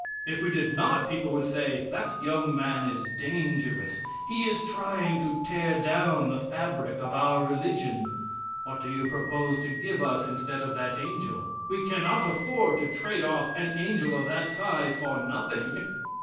If we did not, people would say: "That young man is dangerous; he is trying to tear down the fabric of our religion. What do you propose to give us instead of that angel? We cannot afford to trade off an angel of that size for nothing."